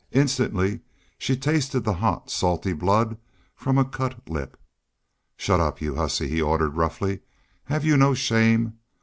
Instantly she tasted the hot, salty blood from a cut lip. "Shut up, you hussy!" he ordered, roughly. "Have you no shame?